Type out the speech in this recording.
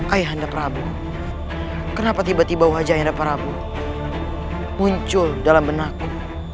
ayah anda prabu kenapa tiba tiba wajah ayah anda prabu muncul dalam benakku